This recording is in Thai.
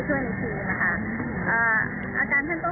สวัสดีครับ